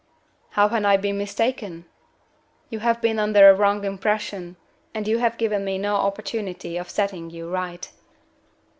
"How have I been mistaken?" "You have been under a wrong impression, and you have given me no opportunity of setting you right."